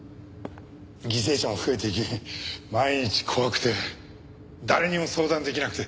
犠牲者も増えていき毎日怖くて誰にも相談できなくて。